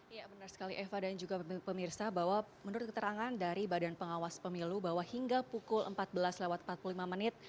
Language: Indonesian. ya benar sekali eva dan juga pemirsa bahwa menurut keterangan dari badan pengawas pemilu bahwa hingga pukul empat belas lewat empat puluh lima menit